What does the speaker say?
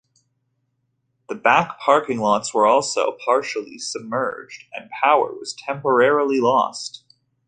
The back parking lots were also partially submerged, and power was temporarily lost.